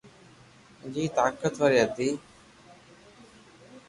جي طاقتواري ھتي